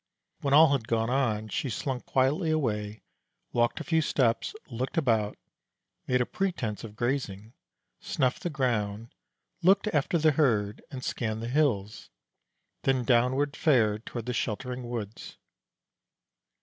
When all had gone on, she slunk quietly away; walked a few steps, looked about, made a pretense of grazing, snuffed the ground, looked after the herd, and scanned the hills; then downward fared toward the sheltering woods.